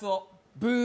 ブー！